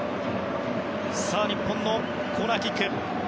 日本のコーナーキック。